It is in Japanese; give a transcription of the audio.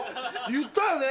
言ったよね？